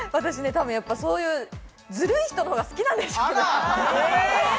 そういうずるい人のほうが好きなんでしょうね。